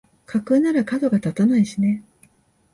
架空ならかどが立たないしね